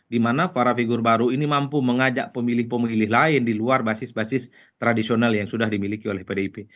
dimana para figur baru ini mampu mengajak pemilih pemilih lain di luar basis basis tradisional yang sudah dimiliki oleh pdip